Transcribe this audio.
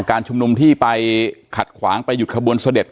การชุมนุมที่ไปขัดขวางไปหยุดขบวนเสด็จ